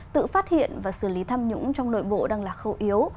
tự phát hiện và xử lý tham nhũng trong nội bộ đang là khâu yếu